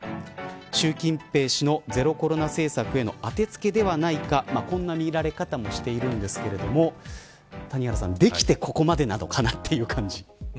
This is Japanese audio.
習近平氏のゼロコロナ政策への当ててつけではないかこんな見られ方もしているんですけど谷原さん、できてここまでなのかなという感じです。